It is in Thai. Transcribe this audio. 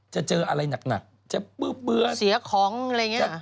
เจออะไรหนักจะเบื่อเสียของอะไรอย่างนี้